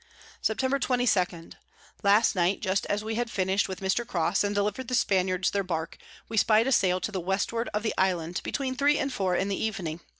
Sept. 22. Last night just as we had finish'd with Mr. Crosse, and deliver'd the Spaniards their Bark, we spy'd a Sail to the Westward of the Island between three and four in the Evening.